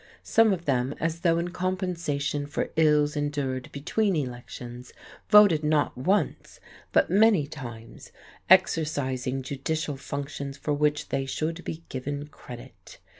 Some of them, as though in compensation for ills endured between elections, voted not once, but many times; exercising judicial functions for which they should be given credit.